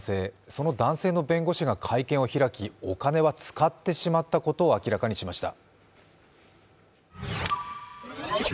その男性の弁護士が会見を開き、お金を使ってしまったことを明らかにしました。